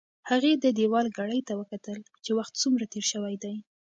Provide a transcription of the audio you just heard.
هغې د دېوال ګړۍ ته وکتل چې وخت څومره تېر شوی دی.